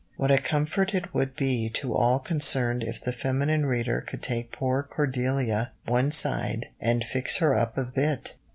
What a comfort it would be to all concerned if the feminine reader could take poor Cordelia one side and fix her up a bit!